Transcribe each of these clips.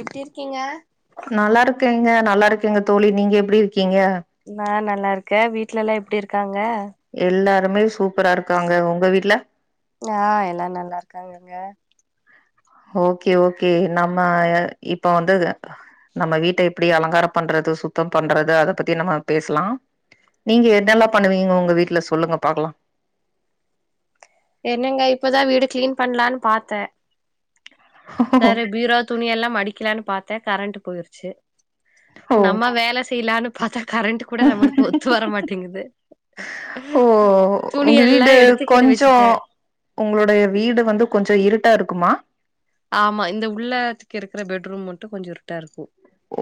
எப்டி இருக்கிங்க ங்க நல்லா இருக்கேங்க தோழி நீங்க எப்டி இருக் கிங்க நல்லாருக்க வீட்ல எல்லா எப்டி இருக்காங்க எல்லா ரமேஸூ ஆ எல்லா நல்லாருக்காங்கங்க ஓகே ஓகே நம்ம இப்ப வந்து நம்ம வீட்ட எப்டி அலங்கார பண்றது சுத்தம் பண்றது அத பத்தி நம்ம பேஸ்லா நீங்க என்னெல்லா பண்ணுவீங்க உங்க வீட்ல சொல்லுங்க பாக்லா என்னங்க இப்பதா வீடு க்ளீன் பண்லானு பாத்த செரி பீராோ துணி எல்லா மடிக்கலான் பாத்த கரண்ட் போயிருச்சு ஓ நம்ம வேல செய்லானு பாத்தா கரண்ட் கூட நம்மளுக்கு ஒத்து வர மாட்டேங்குது ஓ துணி ஒங்க எல்லா வீடு எடுத்து கீழ கொஞ்சோ வச்சுட்டே உங்களுடைய வீடு வந்து கொஞ்சோ இருட்டா இருக் குமா ஆமா இந்த உள்ளத்துக் இருக்கிற பெட்ரூம் மட்டு கொஞ்சோ இருட்டா இருக்கு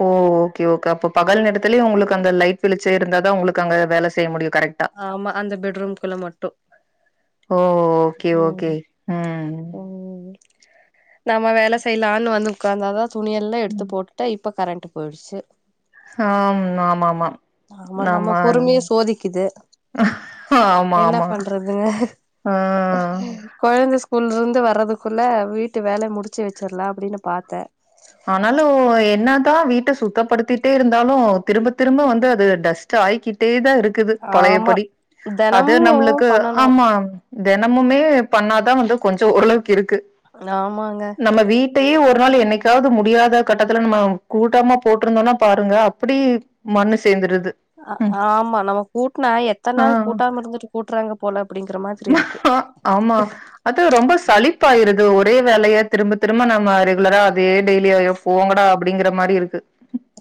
ஓ ஓகே ஓக்க அப்ப பகல் நேரத்துலயு உங்களுக்கு அங்க லைட் வெளிச்சோ இருந்தாதா உங்களுக்கு அங்க வேல செய்ய முடியு கரெக்டா. ஆமா அந்த பெட்ரூம் குள்ள மட்டு ஓ! Okay, okay. ம் ம். ம் நம்ம வேல செய்யலான்னு வந்து உக்காந்தாதா துணி எல்லா எடுத்து போட்டுட இப் இப்ப கரண்ட்டு போய்டுச்சு ஆம் ஆமாமா ஆமா நம்ம ஆமான் பொறுமைய சோதிக்குது என்ன பண்றது ஆ. கொழந்த ஸ்கூ உள்ட்ருந்து வர்றதுக்குள்ள வீட்டு வேல முடிச்சு வச்சரலா அப்படின்னு பாத்தே ஆனாலு என்ன தா வீட்ட சுத்தப்படுத்திட்டே இருந்தாலு திரும்ப திரும்ப வந்து அது டஸ்ட் ஆய்க்கிட்டே தா இருக் க்குது ஆமா பழையப்படி அது தெனமு நம்ளுக்கு பண்ணனு ஆமா தெனமுமே பண்ணாதா வந்து கொஞ்சம் ஓரளவுக்கு இருக் கு ஆமாங்க நம்ம வீட்டையே ஒ ட்டுனாலு என்னைக் காவது முடியாத கட்டத்துல நம்ம கூட்டமா போட்ருந்தோனா பாருங்க அப்படியே மண்ணு சேந்துரு ஆ ஆமா நம்ம கூட்னா எத்தன நாள் ஆ. கூட்டாம இருந்துட்டு கூட்டுறாங்க போல அப்டிங்கிற மாரி ஆமா அதா ரொம்ப சலிப் ப்பாயுருது ஒரே வேலைய திரும்ப திரும்ப நம்ம ரெகுலரா அதே டெய்லியு ஐயோ போங்கடா அப்படிங்கிற மாரி இருக்கு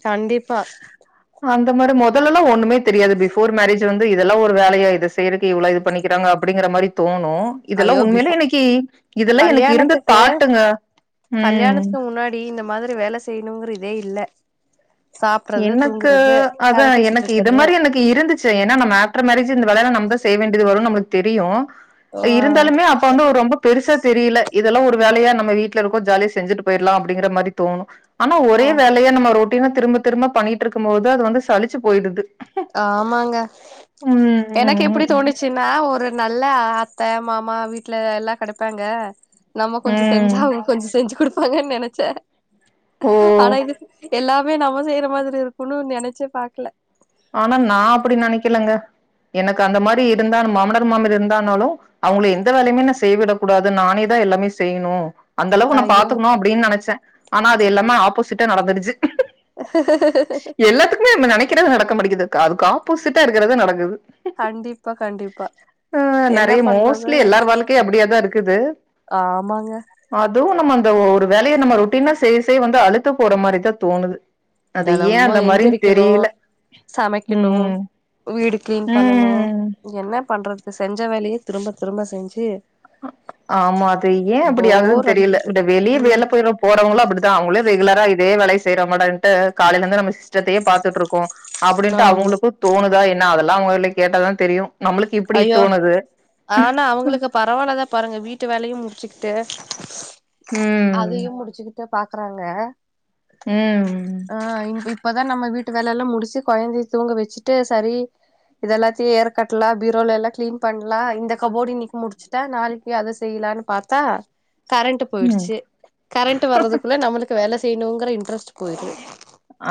கண்டிப்பா அந்த மாரி மொதல்லலா ஒன்னுமே தெரியாது பிஃபோர் மேரஜ் வந்து இதெல்லா ஒரு வேலையா இது செய்றக்கு இவ்ளோ இது பண்ணிக்கிறாங்க அ ப்டிங்குற மாரி தோ ணு இதெல்லா ஐயோ பிஃபோ உண்மையில எனக்கி இதெல்லா எனக்கு இருந்த கல்யாணத்துக்கு தாட்டுங்க ம் கல்யாணத்துக்கு முன்னாடி இந்த மாதிரி வேல செய்யணுங்கிற இதே இல்ல சாப்ட்றது எனக்கு தூங்குறது அதா கத பேசிட்டு எனக்கு இது இருக்கறது மாரி எனக்கு இருந்துச்சு ஏன்னா நம்ம ஆஃப்டர் மேரேஜு இந்த வேலையலா நம்ம செய்ய வேண்டியது வரும் நம்மளுக் தெரியு ஆ இருந்தாலுமே அப்ப வந்து ஒ ரொம்ப பெருசா தெரியில இதெல்லா ஒரு வேலையா நம்ம வீட்ல இருக்கோ ஜாலிய செஞ்சுட்டு போயிற்லா அப்புடிங்கிற மாரி தோணு ஆனா ஒரே ஆ வேலையா நம்ம ரொட் டின்னா திரும்பத் திரும்ப பண்ணிட்ருக்கும் போது அது வந்து சலிச்சு போயிடுது ஆமாங்க எனக்கு ம். எப்புடி தோணிச்சுன்னா ஒரு நல்லா ஆத்த மாமா வீட்ல எல்லா கடப்பாங்க நம்ம கொஞ்சோ ம். செஞ்சா அவுங்க கொஞ்சே செஞ்சி குடுப் பாங்க நெனச்சே ஓ! ஆனா இது எல்லா வே நம்ம செய்ற மாதிரி இருக்குன்னு நெனச்சே பாக்குல ஆனா நா அப்புடி நனைக்கிலங்க எனக்கு அந்த மாரி இருந்தா மாமனர் மாமியார் இருந்தானாலு அவங்கள எந்த வேலையுமே நா செய் விடக் கூடாது நானே தா எல்லாமே செய்யணு அந்தளவு நா ஐயோ பாத்துக்குணோ அப்புடின் நனைச்சே ஆனா அது எல்லாமே ஆப்போசிட்டா நடந்துருச்சு எல்லாத்துக்குமே நம்ம நெனைக் க்கிறது நடக் நடக்க மாட்டிக்கிதுக்கா அதுக்கு ஆப்போசிட்டா இருக்கிறது நடக்குது கண்டிப்பா கண்டிப்பா ஆஹ் என்ன நெறைய பண்றது மோஸ்ட்லி வேற எல்லார வாழ்க்கையும் அப்படியாதான் இருக்குது ஆமாங்க அதுவும் நம்ம அந்த ஒ ஒரு வேலைய நம்ம ரொட்டீனா செய்ய செய்ய வந்து அழுத்து போற மாரிதான் தோணுது அது ஏன் தெனமு அந்த மாறினு எந்திரிக்கணு தெரில சமைக்கணு வீடு க்ளீன் பண்ணணு ம் என்ன பண்றது செஞ்ச வேலயே திரும்ப திரும்ப செஞ்சு ஆமா அது ஏ அப்டியாகுது போர் தெரியல அடிக்குது இந்த வெளிய வல ம் போய போறவங்களு அப்டிதா அவங்களு ரெகுலரா இதே வேலை செய்றமடன்ட்டு காலைலந்து நம்ம ஸ் த்தையே பாத்துட்டு இருக்கோ அப்டின்ட்டு ஆமா அவுங்களுக்கு தோணுதா என்ன லா அவுங்களே கேட்டா தா தெரியு நம்ளுக்கு இப்டி ஐயோ தோணுது ஆனா அவங்களுக்கு பரவாயில்லதா பாருங்க வீட்டு வேலையு முடிச்சுகிட்டு ம். அதையு முடிச்சுகிட்ட பாக்குறாங்க ம். ஆ இங் இப் இப்பதா நம்ம வீட்டு வேலல்லா முடிச்சு கொழந்தய தூங்க வச்சுட்டு சரி இத எல்லாத்தயு ஏறக்கட்லா பிரோல எல்லா க்ளீன் பண்லா இந்த கபோட் இன்னிக்கு முடிச்சிட்டா நாளைக்கி அத செய்லானு பாத்தா கரண்டு ம். போய்டுச்சு கரண்ட்டு வர்றதுகுள்ள நம்மளுக்கு வேல செய்ணுங்கற இன்ட்ரெஸ்ட் போய்ரு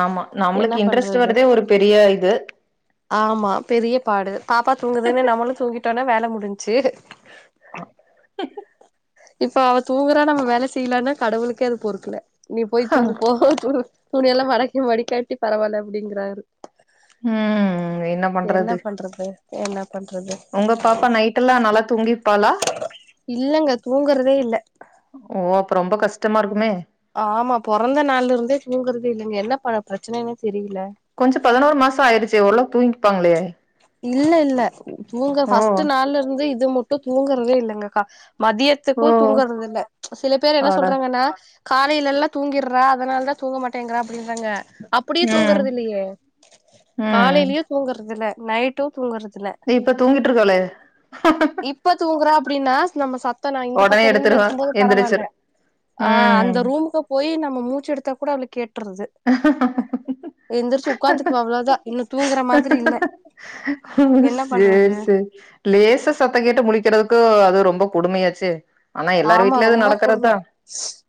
ஆமா நம்ளுக்கு இன்ட்ரெஸ்ட் வர்தே ஒரு பெரிய இது ஆமா பெரிய பாடு பாப்பா தூங்குதுன்னு நம்மளு தூங்கிட் டோன வேல முடிஞ்சு ஆ இப்ப அவ தூங்குறா நம்ம வேல செய்லானா கடவுளுக்கே அது பொருக்கல நீ போய் தூங்கு போ தூ துணியல்லா மடக்கி மடிக்காட்டி பரவால்ல அப்டிங்குறாரு ம் என்ன பண்றது என்னப் பண்றது உங்க பாப்பா நைட்டெல்லாம் நல்லா தூங்கிப்பாளா? இல்லங்க தூங்குறதே இல்ல அப்போ ரொம்ப கஷ்டமா இருக்குமே ஆமா பொறந்த நாள்ல இருந்தே தூங்கறதே இல்லங்க என்ன ப பிரச்சனன்னே கொஞ்சோ பதினோரு மாசோ ஆயிருச்சே ஓரளவு தூங் பாங்லே இல்ல இல்ல தூங்க பர்ஸ்ட் நாள்லருந்து இது மட்டு தூங்குறதே இல்லங்க கா ஓ! மதியத்துக்கும் தூங்குறது இல்ல சில பேர் என்ன அட! சொல்றாங்கன்னா காலையிலல்லா தூங்கிட்றா அதனால தா தூங்க மாட்டேங்கறா அப்டின்றாங்க அப்புடியே ம். தூங்குறது இல்லையே காலையிலயே தூங்குறதுல நைட்டு தோ இப்ப தூங்கிட்டு இருக்கலே இப்ப தூங்குறா அப்டின்னா நம்ம சத் த நா இந்த பக்கோ ரூம்ல இருக்கும் போது பரவால்ல எந்திரிச்சிரு ஆஹ் ம் அந்த ரூமுக்கு போய் நம்ம மூச்சு எடுத்தா கூட அவுலுக் [unintelligible] எந்திரிச்சு உட்காந்துக்குவா அவ்ளோதா இன்னு தூங்குற மாதிரி இல்ல என்ன சேரி பண்றது சேரி லேச சத்தோ கேட்டு முழிக்கறதுகோ [unintelligible] அது ரொம்ப கொடுமையாச்சே ஆனா எல்லார் ஆமா வீட்லயு அது ரொம்ப கொடும நடறதுதா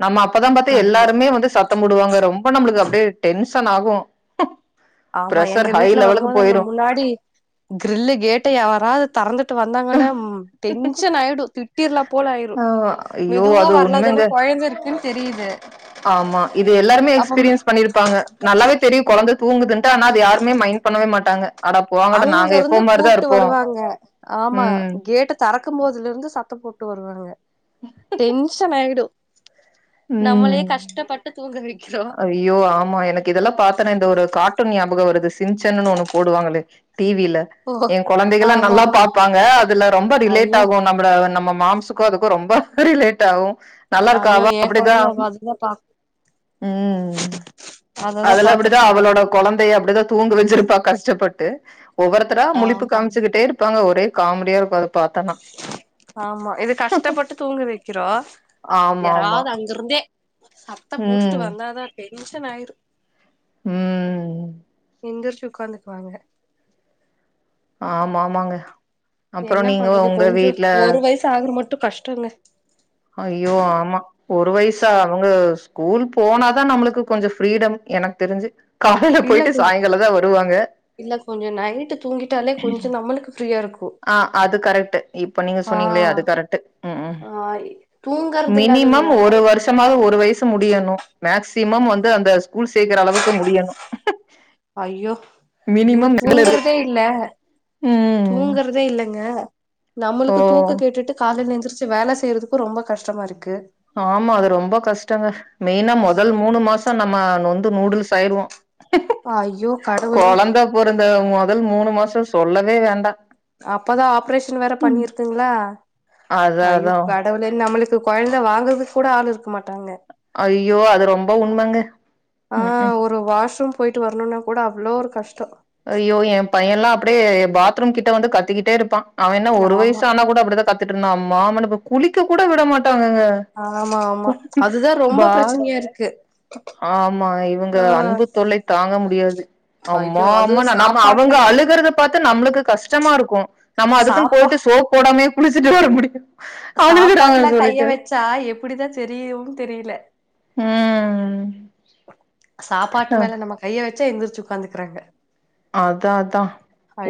நம்ம அப்பதா பாத்தா ஆமா எல்லாருமே வந்து சத் தம் முடுவாங்க ரொம் ப நம்ளுக்கு அடியேடென் ஷன் ஆகு ஆமா ப்ரெஷர் எங்க ஹை வீட் ட்ல லெவலுக்கு வரும்போது அந்த போயிரு முன்னாடி கிரில்லு கேட்டயாரது தறந்துட்டு வந்தாங்கன்னா ம் டென்ஷனாயிடு திட்டிர்லா போல ஆயிரு ஆ ஐயோ மெதுவா அது உண்மைங்க வரலதானே கொய்ந்தயிருக்குன்னு தெரியிது ஆமா இது எல்லாருமே எக்ஸ்பீரியன்ஸ் பண்ணிருப்பாங்க நல்லாவே தெரியு குழந்த தூங்குதுன்ட்டு ஆனா அது யாருமே மைண் பண்ணவே மாட்டாங்க அட போங்கடா அங்க நாங்க இருந்து எப்பவும் மாரி தான் கூப்ட்டு இருப்போம். வருவாங்க ஆமா ம். கேட்ட தரக் க்கும்போதுல இருந்து சத்தம் போட்டு வருவாங்க டென்ஷன் ஆயிடு நம்மளே ம். கஷ்டப்பட்டு தூங்க வெக் ஐயோ ஆமா எனக்கு இதெல்லா பாத்தனா இந்த ஒரு கார்டூன் ஞாப் பகோ வருது சின்சேனுன்னு ஒண்ணு போடுவாங்களே டி வில ஓ எ கொழந்தைகலா ஆமா நல்லா ஆமா பாப்பாங்க அதுல ரொம்ப ரிலேட் ஐயோ ஆகும் நம்பல நம்ம ம் மாம்சுக்கு அதுக்கு ரொம்ப ரிலேட் ஆகும் நல்லாருக்கா ஐயோ அவ? ஏ கொழந்த அப்படிதான். அப்ப அதுக்குதா பா ம் அததா அதுல அப்படிதா பாத்துட்டு இருக்காங்க அவளோட கொழந்தய அப்படிதா தூங்க வச்சிருப்பா கஷ்ட டப்பட்டு. ஒவ்வொருத்தரா முழிப்பு ஆமா ஆமா காமிச்சுக்கிட்டே இருப்பாங்க ஒரே காமெடியா இருக்கு அதப் ஆமா இது கஷ்டப்பட்டு தூங்க வைக்கிறோ ஆமா, ஆமா. யாராவது அங்க இருந்தே சத்தம் போட்டுட்டு ம். வந்தாதா கே டென்ஷன் ஆயிரு. ம். எந்திருச்சு உக்காந்துக்குவாங்க. ஆமா ஆமாங்க. என்ன அப்புறம் நீங்க பண்றது உங்க கொஞ்சம் வீட்ல ஒரு வயசு ஆகுற மட் டு கஷ்டங்க. ஐயோ ஆமா ஒரு வயசா அவங்க ஸ்கூல் போனாதா நம்மளுக்கு கொஞ்சம் ஃப்ரீடம் எனக்கு தெரிஞ்சு. காலையில இல்ல போயிட்டு கொஞ் சாயங்காலம் தான் வருவாங்க. இல்ல கொஞ்சோ நைட்டு தூங்கிட்டாலே கொஞ்சோ நம்மளுக்கு ஃப்ரீயா இருக்கு ஆ அது கரெக்ட்டு இப்ப நீங்க ஆ சொன்னீங்களே அது கரெக்ட்டு ம் ஆ தூங்கறது மினிமம் இல்லாததுங்க ஒரு வருஷமாவது ஒரு வயசு முடியணும் மேக்ஸ் சிமம் வந்து அந்த ஸ்கூல்ஸ் சேக்கிற அளவுக்கு முடியணு ஐயோ இங்க மினிமம் தூங்கறதே இல்ல [inaudible] ம் ங்க. ஓ நம்மளுக்கு தூக்கங்கெட்டுட்டு காலைல எந் திரிச்சு வேல செய்யறதுக்கு ரொம்ப கஷ்டமா இருக் ஆமா அது ரொம்ப கஷ்டங்க மெயினா மொதல் மூணு மாச நம்ம நொந்து நூடுல்ஸ் ஆயிருவோ. ஐயோ கடவுளே கொழந்த பிறந்த மொதல் மூணு மாசோ சொல்லவே வேண்டா. அப்பதா ஆப்ரேஷன் வேற பண்ணிருக்குங்களா அதா ஐயோ அதா கடவுளே நம்மளுக் து கொழந்த வாங்கறதுக்கு கூட ஆள் இருக்க மாட்டாங்க. ஐயோ அது ரொம்ப உண்மங்க ஆ ம் ம். ஒரு வாஷ்ரூம் போயிட்டு வரணுனா கூட அவ்வளோ ஒரு கஷ்டம். ஐயோ எ பைய எல்லா அப்படியே பாத்ரூம் கிட்ட வந்து கத்திக்கிட்டே இருப்பா அவன் என்ன ஒரு ஆமா வயசு ஆன கூட அப்படிதா கத்திட்டு. தின்னா மாமன குளிக்க கூட விட மாட். ட்டாங்க ஆமா ஆமா அதுதா ரொம்ப பால் பிரச்சனையா இருக்கு ஆமா இவங்க ஆ அன்பு தொல்லை தாங்க முடியாது ஆமா. ஐயோ ஆமா அதுவு நம்ம அவங்க சாப்பாட்ல அழுகறதப்பா. பாத்து நம்மளுக்கு கஷ்டமா இருக்கும். நம்ம அதுக்குனு சாப்பா போட்டு சோப் போடாமயே. குளிச்சிட்டு வர முடியு சாப்பாட்டுலா அழுகுறாங்கன்னு சொல்லிட்டு கைய வச்சா எப்படிதா தெரியும் னு தெரியல உம் [inaudible] சாப்பாட்டு மேல நம்ம கையை வ கொஞ்ச எந்திரிச்சி உக்காந்துகிறாங்க அதா அதா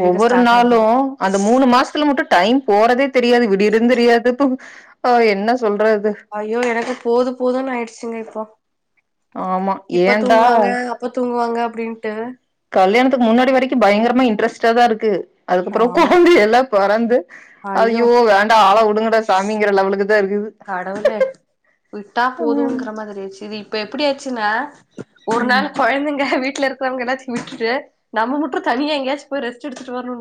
ஒவ்வொரு ஸ்டார்ட் ஆயிடுது நாளும் அந்த மூணு மாசத்துல மட்டும் டைம் போறதே தெரியாது விடியிறது தெரியாது போ ஆஹ் என்ன சொல்றது ஐயோ எனக்கு போதும் போதுன்னு ஆயிடுச்சுங்க இப்போ. ஆமா இப்ப ஏன்டா தூங்குவாங்க அப்ப தூங் வாங்க அப்படின்ட்டு கல்யாணத்துக்கு முன்னாடி வரைக்கு பயங்கரம இன்டரஸ்டா தா இருக்கு அதுக்கப்புறம் ஆமா குழந்தைய எல்லா பொறந்து ஐயோ அய்யோ வேண்டா ஆள விடுங்க விடுங்கடா சாமிங்கிறலவலுக்கு கடவுளே விட்டா போதும்ங்கிற மாதிரி சிரி இப்ப எப்டியாச்சுனா ஒரு ம் நாள் குழந்தைங்க வீட்டு வீட்ல இருக்கிறவங்க எல்லாத்தையும் விட்டுட்டு நம்ம மட்டும் தனியா எங்கயாச்சு போய் ரெஸ்டெடுத்துட்டு வரணு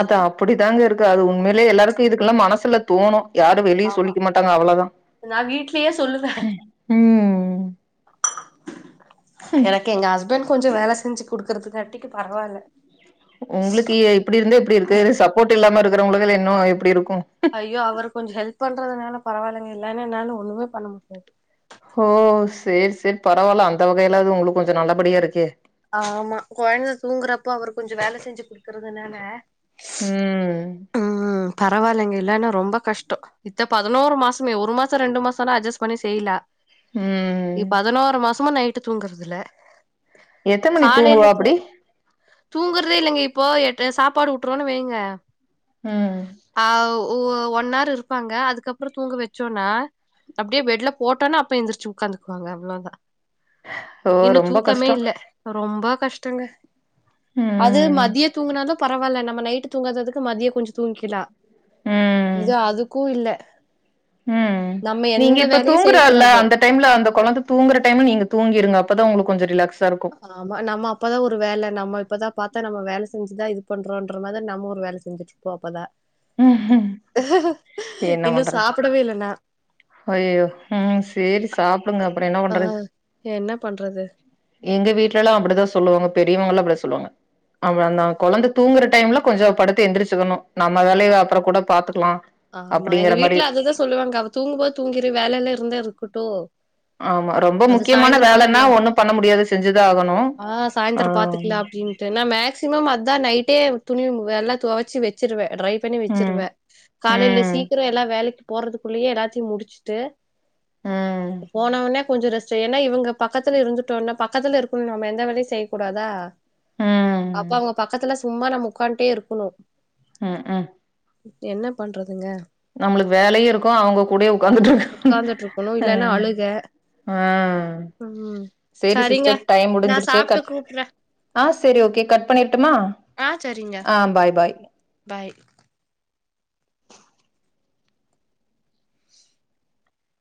அத அப்டி தாங்க இருக்கு அது உண்மைய எல்லாருக்கும் இதுக்குலா மனசுல தோணு யாரும் வெளியே ஆமா சொல்லிக்க மாட்டாங்க அவ்ளோதா நா வீட்லயே சொல்லுவே உம் பண் கொஞ்ச வேல செஞ்சு குடுக்கறதுக்காட்டிக்கு பரவால்ல உங்களுக்கு இப்படி இருந்தே இப்படி இருக்கு சப்போர்ட் இல்லாம இரு இருக்கிறவங்களு இன்னு எப்டி இருக்கு ஐயோ அவர் கொஞ்ச ஹெல்ப் பண்றதுனால பரவாயில்லங்க இல்லனா என்னால ஒண்ணுமே பண்ண முடியாது ஓ சேரி சேரி பரவால்ல அந்த வகையிலாவது உங்களுக்கு கொஞ்ச நல்லபடியா இருக்கே கொஞ்ச வேல செஞ்சு குடுக்குறதுனால ம் ம் பரவாலங்க இல்லேனா ரொம்ப கஷ்ட இத்த பதினோரு மாசமே ஒரு மாச ரெண்டு மாசனா அட்ஜஸ்ட் பண்ணி செய்லா ம் இது பதனோரு மாச மா நைட்டு தூங்கறதில எத்ன மணிக்கு தூங்குவா அப்டி தூங்கறதே இல்லங்க இப்போ எட் சாப்பாடு ஊட்றோனு வெய்ங்க ம் ஓ ஒன் ஹார் இருப்பாங்க அதுக்கப்ற தூங்க வச்சோனா அப்டியே பெட்ல போட்டொன அப்பே எந்திரிச்சு உக்காந்துக்குவாங்க அவ்ளோதா ஓ இன்னு ரொம்ப தூக்கமே கஷ்ட இல்ல ரொம்ப கஷ்டங்க அது ம். மதிய தூங்குனாலு பரவால நம்ம நைட்டு தூங்காததுக்கு மதிய கொஞ்ச தூங்கிக்லா இது ம். அதுக்கு இல்ல ம் நம்ம நீங்க எந்த இப்ப வேலையு தூங்குறால்ல செய்யக்கூடாது அந்த டைம்ல அந்த கொழந்த தூங்குற டைம்ல நீங்க தூங்கிருங்க அப்பதா உங்ளுக் கொஞ்ச ரிலாக்ஸ் ஆமா நம்ம அப்பதா ஒரு வேலை நம்ம இப்பதா பாத் த நம்ம வேல செஞ்சுதா இது பண்றோன்ற மாதுர் நம்ம ஒரு வேல செஞ்சுட்ருப்போ அப்பதா ம்ஹ்ம். என்ன இன்னு பண்றது? சாப்புடவே இல்ல நா ஐயயோ ம் சேரி சாப் ஆ என்ன பண்றது எங்க வீட்ல்லா அப்புடிதா சொல்லுவோங்க பெரியவங்கல்லா அப்டுதா சொல்வாங்க அவ அந்தா கொழந்த தூங்குற டைம்ல கொஞ்சோ படுத்து எந்துருச்சுக்கன்ணு அங்கா ஆமா அப்படிங்கிற எங்க மாரி. வீட்ல அதுதா சொல்லுவாங்க அவ தூங்குபோத் தூங்கிரு வேலைல இருந்தா இர்க்குட்டு ஆமா ரொம்ப முக்கியமான வேலன்னா ஒன்னு பண்ண முடியாது செஞ்சுதா ஆகணு ஆ ஆ சாயந்தரோ தா நைட்டே துணிவ் எல்லா துவச்சு வெச் சுருவெ ட்ரை பண்ணி வெச்சிருவ ம். காலைல ம். சீக்குர எல்லா வேலக்கி போறதுக்குள்ளியே எல்லாத்யு முடிச்சுட்டு ம். போனவன்னே கொஞ்ச ரெஸ்ட்டு ஏன்னா இவங்க பக்கத்துல இருந்துட்டோன்ன பக்கத்துல இருக்குணு நம்ம எந்த வேல்யு செய் கூடாதா அப்ப ம் அவுங்க பக்கத்துல சும்மா நம்ம உக்கான்ட்டே இருக்கணு ம் ம் என்ன பண்றதுங்க நம்மளுக்கு வேலையு இருக்கு அவங்க கூடயு உக்காந்துட்ருக் உக்காந்துட்டு இருக்கணு அ இல்லன்னா அழுக ஆ ம் சேரி சரிங்க சிஸ்டர் டைம் நா முடிஞ்சுடுச்சு சாப்ட்டு கட் கூப்புட்றே ஆ செரி ஓகே கட் பண்ணிர்ட்டுமா ஆ சரிங்க ஆ பாய் பாய் பாய்